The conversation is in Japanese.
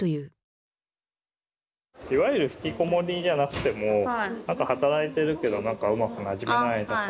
いわゆるひきこもりじゃなくても働いてるけどなんかうまくなじめないとか。